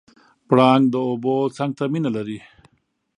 پړانګ د اوبو څنګ ته مینه لري.